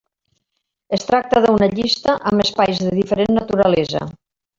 Es tracta d'una llista amb espais de diferent naturalesa.